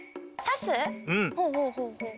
ほうほうほうほう。